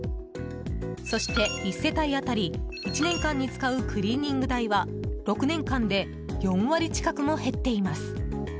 そして、１世帯当たり１年間に使うクリーニング代は６年間で４割近くも減っています。